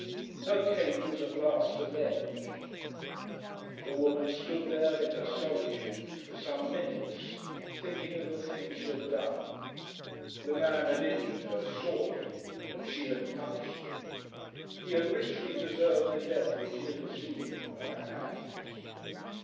Her Kate was at last avenged. The woman stood there in her solitude for some minutes thinking of the thing she had done. The man had injured her, sorely, and she had punished him. He had richly deserved the death which he had received from her hands.